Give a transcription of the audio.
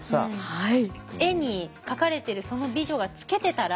はい。